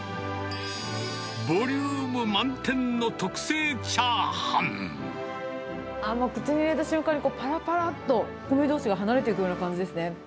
ボリューム満点の特製チャー口に入れた瞬間に、ぱらぱらっと米どうしが離れていく感じですね。